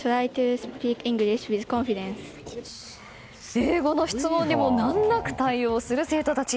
英語の質問にも難なく対応する生徒たち。